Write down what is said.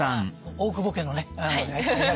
大久保家のね役を。